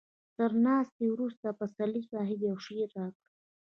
تر ناستې وروسته پسرلي صاحب يو شعر راکړ.